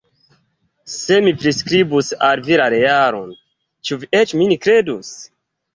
Se mi priskribus al vi la realon, ĉu vi eĉ min kredus?